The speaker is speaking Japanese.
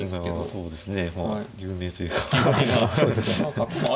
そうですね。